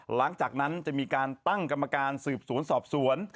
หลังจากนั้นจะมีการตั้งกรรมการสืบสวนสอบสวน